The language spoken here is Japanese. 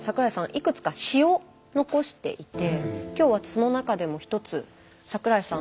いくつか詩を残していて今日はその中でも１つ桜井さん